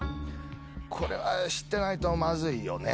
これは知ってないとマズいよね。